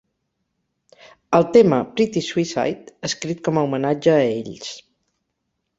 El tema "Pretty Suicide" escrit com a homenatge a ells.